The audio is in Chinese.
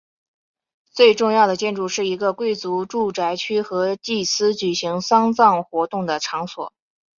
最重要的建筑是一个贵族住宅区和祭司举行丧葬活动的场所。